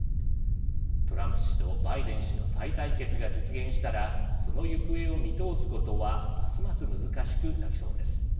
トランプ氏とバイデン氏の再対決が実現したらその行方を見通すことはますます難しくなりそうです。